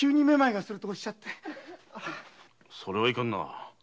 それはいかんな。